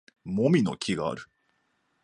もみの木がある